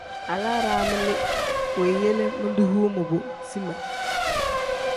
Alaraami li weeyele modoyuu mobo zimaa.